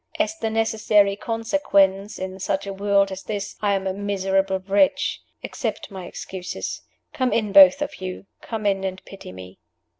As the necessary consequence (in such a world as this), I am a miserable wretch. Accept my excuses. Come in, both of you. Come in and pity me."